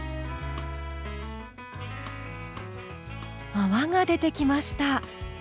泡が出てきました。